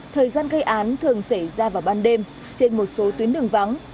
thời gian gây án thường xảy ra vào ban đêm trên một số tuyến đường vắng